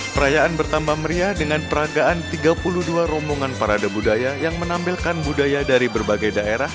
perayaan bertambah meriah dengan peragaan tiga puluh dua rombongan parade budaya yang menampilkan budaya dari berbagai daerah